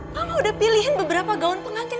kamu udah pilihin beberapa gaun pengantin